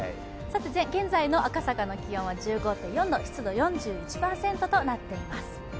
現在の赤坂の気温は１５．４度湿度４１％となっています。